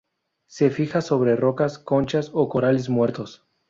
Se fija sobre rocas, conchas o corales muertos.